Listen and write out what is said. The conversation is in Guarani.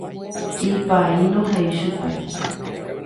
Ipaíno he'i chupe.